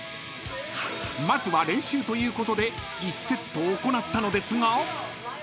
［まずは練習ということで１セット行ったのですが］